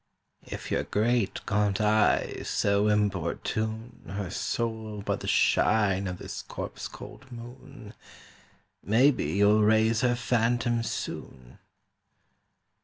"If your great gaunt eyes so importune Her soul by the shine of this corpse cold moon, Maybe you'll raise her phantom soon!"